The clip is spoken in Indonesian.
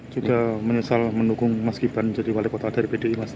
sudah menyesal menukung mas gibran jadi wali kota dari bdi mas